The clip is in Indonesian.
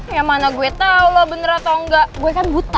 ya mana gue tau lo bener atau engga gue kan buta